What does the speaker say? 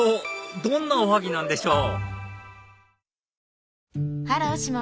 どんなおはぎなんでしょう？